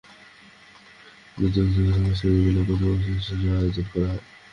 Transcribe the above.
পিঠা মেলার পাশাপাশি মেলা প্রাঙ্গণে এক সাংস্কৃতিক অনুষ্ঠানেরও আয়োজন করা হয়।